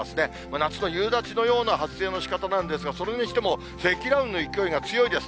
夏の夕立のような発生のしかたなんですが、それにしても積乱雲の勢いが強いです。